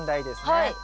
はい。